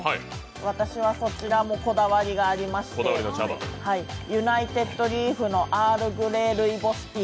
私はそちらもこだわりがありまして、ユナイテッドリーフのアールグレイルイボスティー。